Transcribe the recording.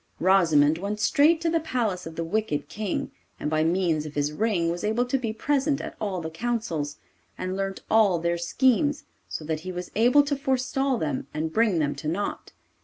Rosimond went straight to the palace of the wicked King, and by means of his ring was able to be present at all the councils, and learnt all their schemes, so that he was able to forestall them and bring them to naught.